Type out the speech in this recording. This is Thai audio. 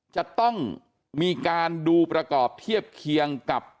จะต้องมีการดูประกอบเทียบเคียงกับ